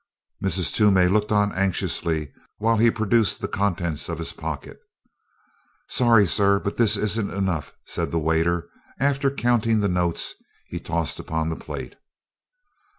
Mrs. Toomey looked on anxiously while he produced the contents of his pocket. "Sorry, sir, but it isn't enough," said the waiter, after counting the notes he tossed upon the plate.